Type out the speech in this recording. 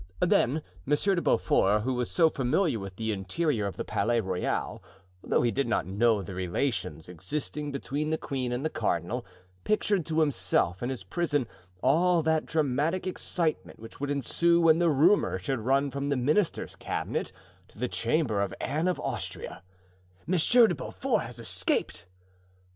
Then Monsieur de Beaufort, who was so familiar with the interior of the Palais Royal, though he did not know the relations existing between the queen and the cardinal, pictured to himself, in his prison, all that dramatic excitement which would ensue when the rumor should run from the minister's cabinet to the chamber of Anne of Austria: "Monsieur de Beaufort has escaped!"